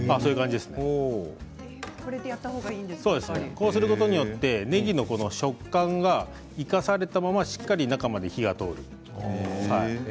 こうすることによってねぎの食感が生かされたまましっかりと中まで火が通ります。